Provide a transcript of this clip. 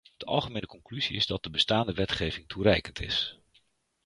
De algemene conclusie is dat de bestaande wetgeving toereikend is.